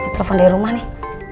telepon dari rumah nih